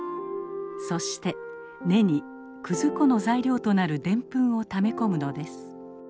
そして根に葛粉の材料となるデンプンをため込むのです。